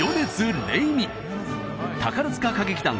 宝塚歌劇団